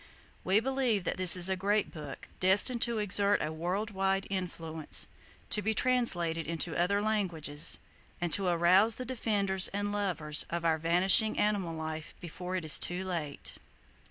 We believe that this is a great book, destined to exert a world wide influence, to be translated into other languages, and to arouse the defenders and lovers of our vanishing animal life before it is too late.